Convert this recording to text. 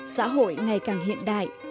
xã hội ngày càng hiện đại